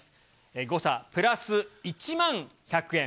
誤差プラス１万１００円。